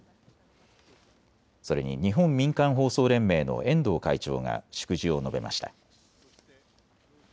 それに日本民間放送連盟の遠藤会長が祝辞を述べました。